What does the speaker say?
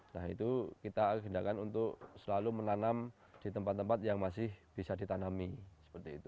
nah itu kita agendakan untuk selanjutnya untuk kita menanam hutan dan setiap musim penghujan kita agendakan untuk selanjutnya untuk menanam hutan kita